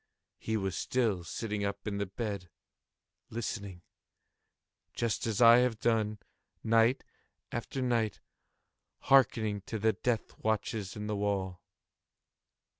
He was still sitting up in the bed listening;—just as I have done, night after night, hearkening to the death watches in the wall.